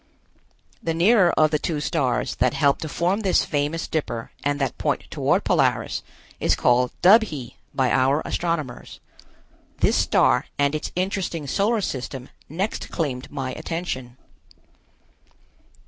The nearer of the two stars that help to form this famous Dipper and that point toward Polaris, is called Dubhe by our astronomers. This star and its interesting solar system next claimed my attention.